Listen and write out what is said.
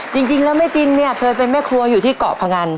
จริงแล้วแม่จินเนี่ยเคยเป็นแม่ครัวอยู่ที่เกาะพงัน